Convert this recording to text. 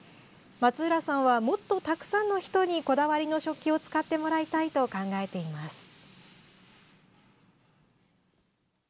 松浦さんはもっとたくさんの人にこだわりの食器を使ってもらいたいと考えています。